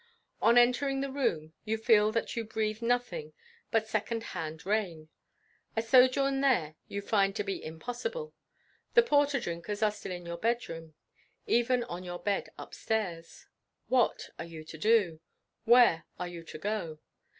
On entering the room you feel that you breathe nothing but second hand rain; a sojourn there you find to be impossible; the porter drinkers are still in your bed room, even on your bed up stairs. What are you to do? where are you to go?